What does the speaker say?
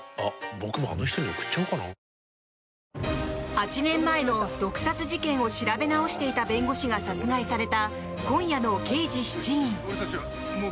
８年前の毒殺事件を調べ直していた弁護士が殺害された今夜の「刑事７人」。